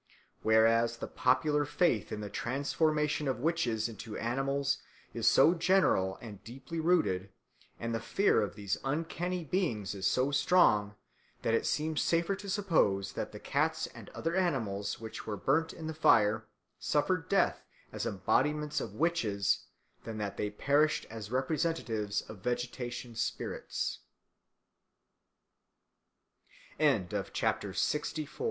Whereas the popular faith in the transformation of witches into animals is so general and deeply rooted, and the fear of these uncanny beings is so strong, that it seems safer to suppose that the cats and other animals which were burnt in the fire suffered death as embodiments of witches than that they perished as representatives of vegetation s